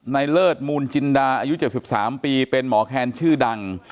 เลิศมูลจินดาอายุ๗๓ปีเป็นหมอแคนชื่อดัง